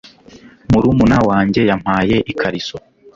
Murumuna wanjye yampaye ikariso.